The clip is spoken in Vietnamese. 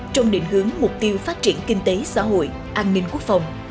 trong định hướng mục tiêu phát triển kinh tế xã hội an ninh quốc phòng